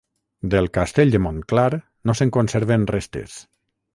Del castell de Montclar no se'n conserven restes.